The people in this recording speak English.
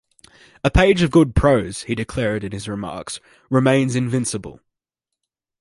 "A page of good prose," he declared in his remarks, "remains invincible.